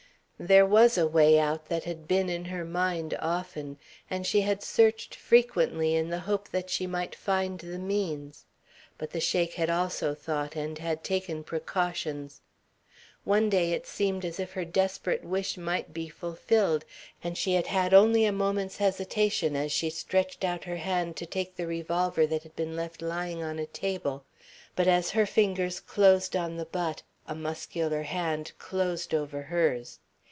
There was a way out that had been in her mind often, and she had searched frequently in the hope that she might find the means. But the Sheik had also thought and had taken precautions. One day it seemed as if her desperate wish might be fulfilled, and she had had only a moment's hesitation as she stretched out her hand to take the revolver that had been left lying on a table, but as her fingers closed on the butt a muscular hand closed over hers.